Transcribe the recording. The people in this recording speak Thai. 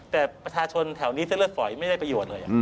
แต่ประชาชนแถวนี้เส้นเลือดฝอยไม่ได้ประโยชน์เลย